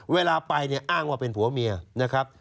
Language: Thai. เวลาไปเนี่ยอ้างว่าเป็นผัวเมียนะครับ